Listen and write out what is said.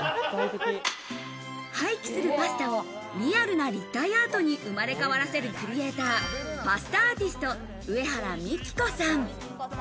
廃棄するパスタをリアルな立体アートに生まれ変わらせるクリエイター、パスタアーティスト・上原美紀子さん。